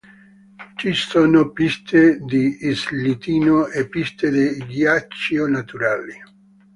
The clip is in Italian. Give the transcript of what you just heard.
Ci sono piste di slittino e piste di ghiaccio naturali.